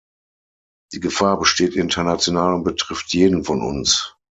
Die Gefahr besteht international und betrifft jeden von uns.